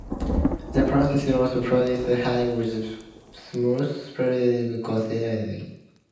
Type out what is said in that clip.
The processing also produces a honey with a smooth spreadable consistency.